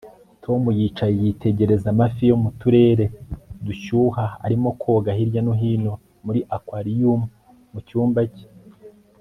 Tom yicaye yitegereza amafi yo mu turere dushyuha arimo koga hirya no hino muri aquarium mu cyumba cye